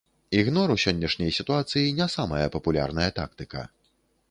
Ігнор у сённяшняй сітуацыі не самая папулярная тактыка.